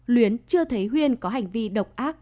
luyến chưa thấy huyền có hành vi độc ác